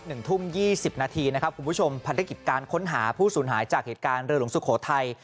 หนึ่งทุ่มยี่สิบนาทีนะครับคุณผู้ชมภารกิจการค้นหาผู้สูญหายจากเหตุการณ์เรือหลวงสุโขทัย